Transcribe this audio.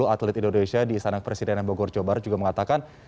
atlet indonesia di sanak presiden mbak gorjobar juga mengatakan